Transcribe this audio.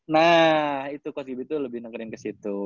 nah itu coach gibi tuh lebih negerin kesitu